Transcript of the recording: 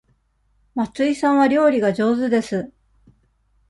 松井さんは料理が上手です。